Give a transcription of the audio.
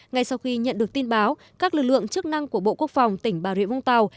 ngay sau khi nhận được tin báo các lực lượng chức năng của bộ quốc phòng tỉnh bà rịa vũng tàu